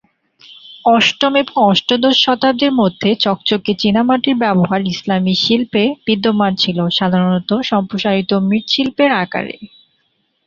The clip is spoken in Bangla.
অষ্টম এবং অষ্টাদশ শতাব্দীর মধ্যে, চকচকে চীনামাটির ব্যবহার ইসলামী শিল্পে বিদ্যমান ছিল, সাধারণত সম্প্রসারিত মৃৎশিল্পের আকারে।